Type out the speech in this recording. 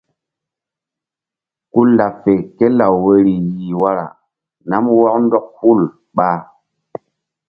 Ku laɓ fe ké law woyri yih wara nam wɔk ndɔk hul ɓa.